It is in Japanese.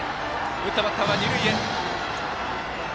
打ったバッターは二塁へ！